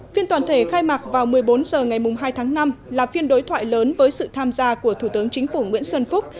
phiên toàn thể khai mạc vào một mươi bốn h ngày hai tháng năm là phiên đối thoại lớn với sự tham gia của thủ tướng chính phủ nguyễn xuân phúc